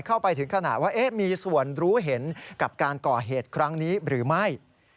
ไปถึงขนาดว่ามีส่วนรู้เห็นกับการก่อเหตุครั้งนี้หรือไม่